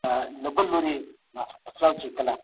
ميرويس خان نيکه څنګه د قبيلو ترمنځ شخړې حل کړې؟